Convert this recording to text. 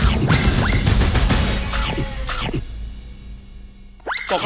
โปรดติดตามตอนต่อไป